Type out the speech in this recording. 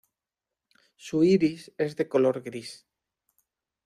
Su iris es de color gris.